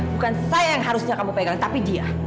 bukan saya yang harusnya kamu pegang tapi dia